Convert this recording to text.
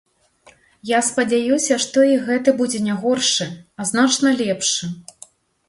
Я спадзяюся, што і гэты будзе не горшы, а значна лепшы.